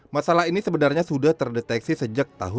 masalah ini sebenarnya sudah terdeteksi sejak tahun